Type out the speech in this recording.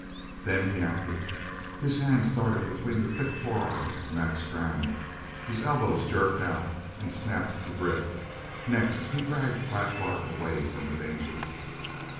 Then he acted. His hands darted between the thick forearms of Mac Strann his elbows jerked out and snapped the grip; next he dragged Black Bart away from the danger.